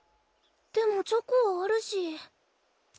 でもチョコはあるし。